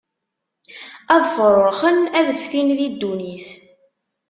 Ad fṛuṛxen, ad ftin di ddunit.